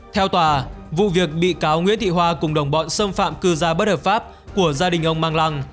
theo tòa vụ việc bị cáo nguyễn thị hoa cùng đồng bọn xâm phạm cư gia bất hợp pháp của gia đình ông mang lăng